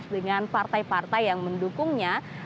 dengan partai partai yang mendukungnya